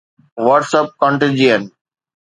WhatsApp Contagion